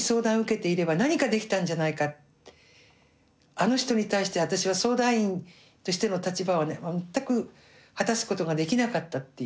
あの人に対して私は相談員としての立場をね全く果たすことができなかったっていう。